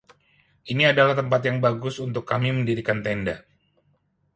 Ini adalah tempat yang bagus untuk kami mendirikan tenda.